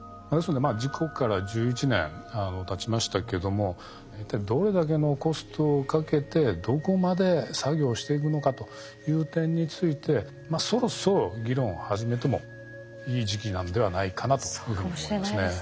要するに事故から１１年たちましたけども一体どれだけのコストをかけてどこまで作業していくのかという点についてそろそろ議論を始めてもいい時期なんではないかなというふうに思いますね。